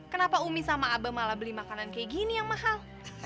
kenapa umi sama abah malah beli makanan kayak gini yang mahal